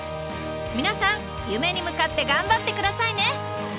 皆さん夢に向かって頑張ってくださいね。